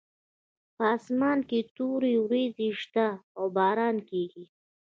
په اسمان کې تورې وریځې شته او باران کیږي